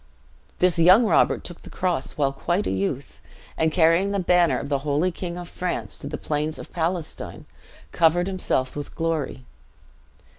This young Robert took the cross while quite a youth; and carrying the banner of the holy King of France to the plains of Palestine, covered himself with glory.